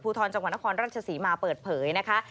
ทรจังหวัดนครราชศรีมาเปิดเผยนะคะ